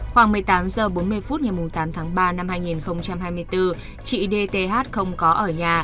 khoảng một mươi tám h bốn mươi phút ngày tám tháng ba năm hai nghìn hai mươi bốn chị dth không có ở nhà